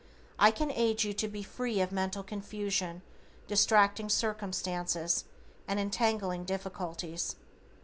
I can aid you to be free of mental confusion, distracting circumstances, and entangling difficulties.